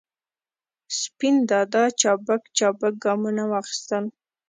سپین دادا چابک چابک ګامونه واخستل.